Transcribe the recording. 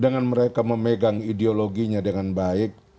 dengan mereka memegang ideologinya dengan baik